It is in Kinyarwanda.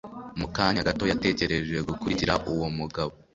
Mu kanya gato, yatekereje gukurikira uwo mugabo.